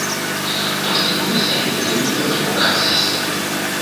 Poste diversaj epidemioj okazis.